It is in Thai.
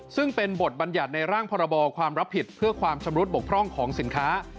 ซึ่งเป็นบทบัญญัติในร่างพรบความรับผิดเพื่อความชำรุดบกพร่องของสินค้า